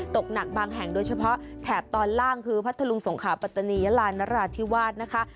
ตกหนักบางแห่งโดยเฉพาะแถบตอนล่างคือพัทธลุงสงขาปัตตานียาลานนราธิวาสนะคะ